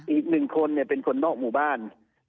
อีกหนึ่งคนเป็นคนนอกหมู่บ้าน